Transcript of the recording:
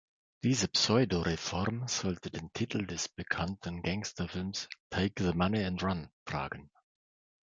Diese Pseudoreform sollte den Titel des bekannten Gangsterfilms "Take the Money and Run" tragen.